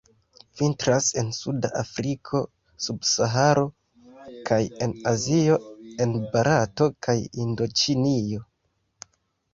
Vintras en suda Afriko sub Saharo, kaj en Azio en Barato kaj Hindoĉinio.